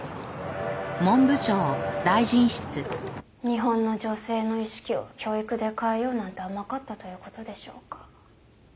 日本の女性の意識を教育で変えようなんて甘かったという事でしょうか。